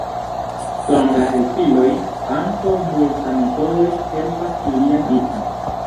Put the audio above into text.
Krom la helpiloj ankaŭ multa metodoj helpas ilian vivon.